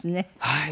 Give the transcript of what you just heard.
はい。